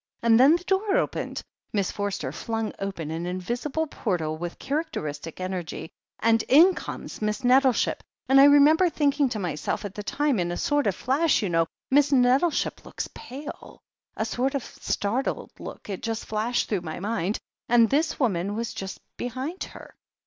And then the door opened" — Miss Forster flung open an invisible portal with characteristic energy — "and in comes Miss Nettleship — ^and I remember thinking to myself at the time, in a sort of flash, you know : Miss Nettleship looks pcUe — a sort of startled look — it just flashed through my mind. And this woman was just behind her."